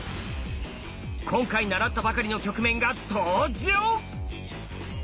今回習ったばかりの局面が登場！